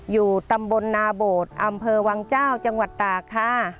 อยู่ตำบลนาโบดอำเภอวังเจ้าจังหวัดตากค่ะ